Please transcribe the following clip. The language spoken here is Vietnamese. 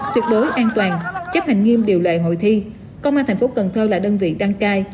tuyệt đối an toàn chấp hành nghiêm điều lệ hội thi công an thành phố cần thơ là đơn vị đăng cai